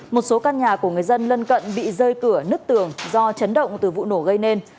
một số căn nhà của người dân lân cận bị rơi cửa nứt tường do chấn động từ vụ nổ gây nên